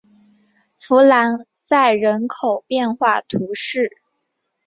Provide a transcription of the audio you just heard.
弗朗赛人口变化图示